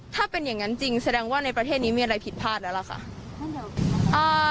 ถ้าเป็นอย่างนั้นจริงแสดงว่าในประเทศนี้มีอะไรผิดพลาดแล้วล่ะค่ะ